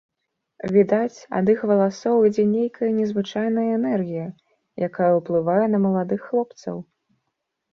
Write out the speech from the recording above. Відаць, ад іх валасоў ідзе нейкая незвычайная энергія, якая ўплывае на маладых хлопцаў.